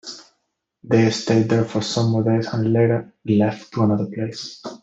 They stayed there for some more days and later left to another place.